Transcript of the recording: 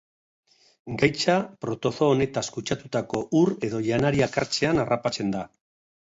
Gaitza protozoo honetaz kutsatutako ur edo janariak hartzean harrapatzen da.